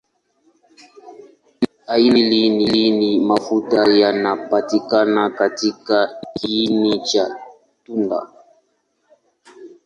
Aina ya pili ni mafuta yanapatikana katika kiini cha tunda.